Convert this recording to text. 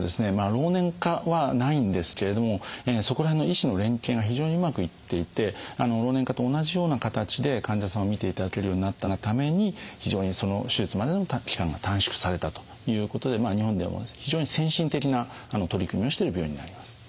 老年科はないんですけれどもそこら辺の医師の連携が非常にうまくいっていて老年科と同じような形で患者さんを診ていただけるようになったがために非常にその手術までの期間が短縮されたということで日本では非常に先進的な取り組みをしている病院になります。